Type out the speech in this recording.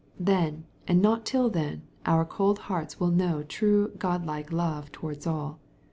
Then, and not till then, our cold hearts will know true God like love towards all.